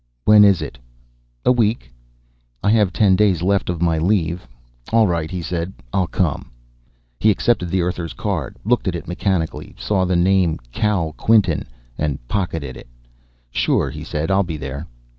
"When is it?" "A week." "I have ten days left of my leave. All right," he said. "I'll come." He accepted the Earther's card, looked at it mechanically, saw the name Kal Quinton and pocketed it. "Sure," he said. "I'll be there."